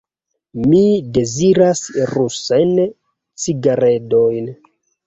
Mi deziras rusajn cigaredojn.